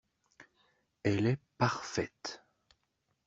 Elle est parfaite.